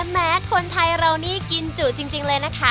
แม้คนไทยเรานี่กินจุจริงเลยนะคะ